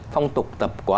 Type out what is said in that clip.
phong tục tập quá